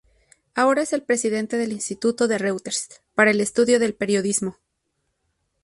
Ahora es el presidente del Instituto de Reuters para el estudio del periodismo.